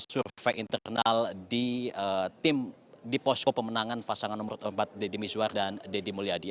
survei internal di posko pemenangan pasangan nomor urut empat deddy miswar dan deddy mulyadi